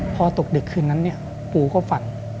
พอตกดึกคืนนั้นปูก็ฝัน